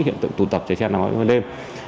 hiện tượng tụ tập chạy xe hàng đêm